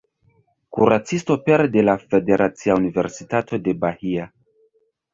Kuracisto pere de la Federacia Universitato de Bahia.